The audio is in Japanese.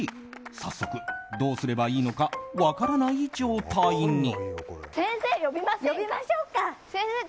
早速どうすればいいのか分からない状態に。